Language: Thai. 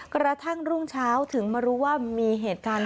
กระทั่งรุ่งเช้าถึงมารู้ว่ามีเหตุการณ์